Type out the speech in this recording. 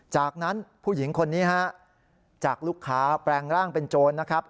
จากนั้นผู้หญิงคนนี้ฮะจากลูกค้าแปลงร่างเป็นโจรนะครับ